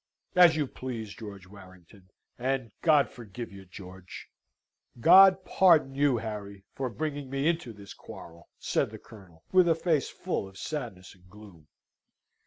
"As you please, George Warrington and God forgive you, George! God pardon you, Harry! for bringing me into this quarrel," said the Colonel, with a face full of sadness and gloom.